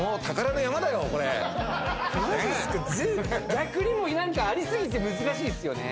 逆にあり過ぎて難しいっすよね。